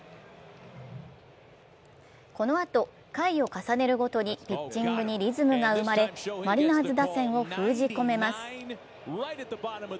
このあと、回を重ねるごとにピッチングにリズムが生まれマリナーズ打線を封じ込めます。